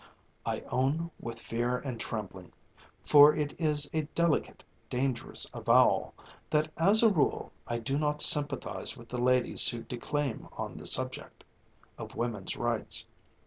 I own with fear and trembling for it is a delicate, dangerous avowal that, as a rule, I do not sympathize with the ladies who declaim on the subject of Woman's Rights.